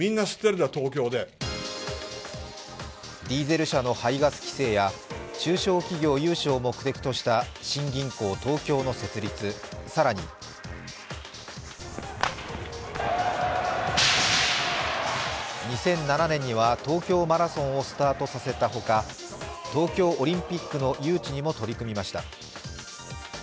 ディーゼル車の排ガス規制や中小企業融資を目的とした新銀行東京の設立、更に２００７年には東京マラソンをスタートさせたほか東京オリンピックの誘致にも取り組みました。